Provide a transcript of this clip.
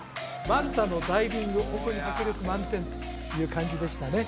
マンタのダイビングホントに迫力満点という感じでしたね